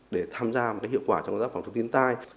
để tham gia hiệu quả trong giáp phòng chống thiên tai